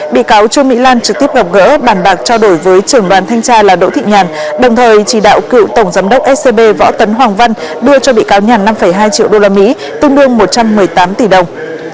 bị cáo trương mỹ lan trực tiếp gọc gỡ bàn bạc trao đổi với trưởng đoàn thanh tra là đỗ thị nhàn đồng thời chỉ đạo cựu tổng giám đốc scb võ tấn hoàng văn đưa cho bị cáo nhàn năm hai triệu usd tương đương một trăm một mươi tám tỷ đồng